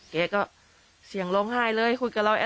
แกก็เสียงร้องไห้เลยคุยกับเรา